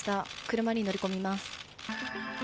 車に乗り込みます。